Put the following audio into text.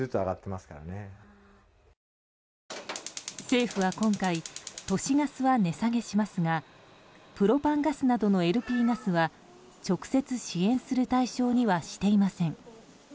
政府は今回都市ガスは値下げしますがプロパンガスなどのＬＰガスは直接支援する対象にはしていません。